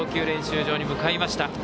練習場に向かいました。